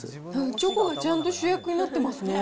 チョコがちゃんと主役になっていますね。